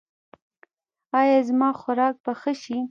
ایا زما خوراک به ښه شي؟